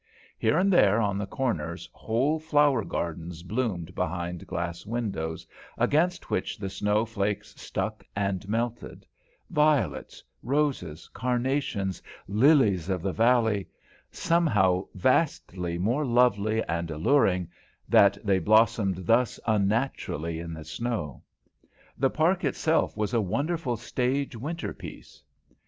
Here and there on the corners whole flower gardens blooming behind glass windows, against which the snow flakes stuck and melted; violets, roses, carnations, lilies of the valley somehow vastly more lovely and alluring that they blossomed thus unnaturally in the snow. The Park itself was a wonderful stage winter piece.